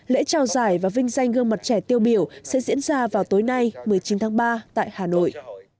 lễ trao giải và vinh danh gương mặt trẻ tiêu biểu sẽ diễn ra vào tối nay một mươi chín tháng ba tại hà nội